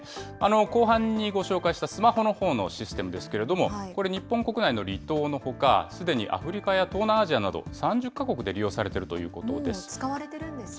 後半にご紹介したスマホのほうのシステムですけれども、これ、日本国内の離島のほか、すでにアフリカや東南アジアなど、３０か国で利用されているという使われてるんですね。